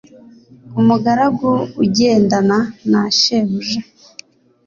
umugaragu ugendana na shebuja